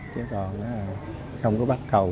chứ còn không có bắt cầu